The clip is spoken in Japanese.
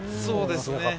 そうですね。